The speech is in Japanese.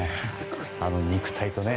あの肉体とね。